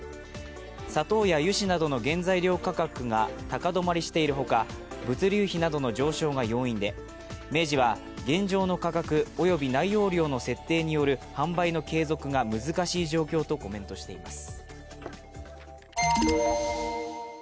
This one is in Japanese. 砂糖や油脂などの原材料価格が高止まりしているほか物流費などの上昇が要因で、明治は現状の価格及び内容量の設定による販売の継続が難しい状況とコメントしています。